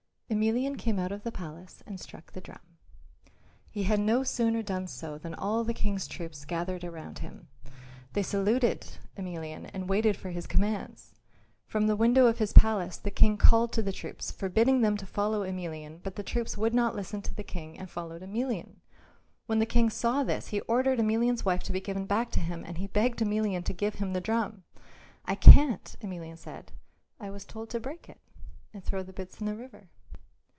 Emelian came out of the palace and struck the drum. He had no sooner done so than all the King's troops gathered around him. They saluted Emelian and waited for his commands. From the window of his palace the King called to the troops, forbidding them to follow Emelian, but the troops would not listen to the King and followed Emelian. When the King saw this he ordered Emelian's wife to be given back to him and he begged Emelian to give him the drum. "I can't," Emelian said. "I was told to break it and throw the bits into the river."